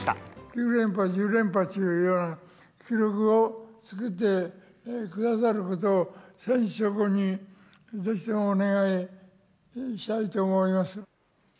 ９連覇、１０連覇という記録を作ってくださることを、選手諸君にぜひともお願いしたいと思います。